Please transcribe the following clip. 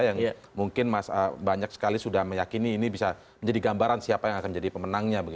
yang mungkin banyak sekali sudah meyakini ini bisa menjadi gambaran siapa yang akan menjadi pemenangnya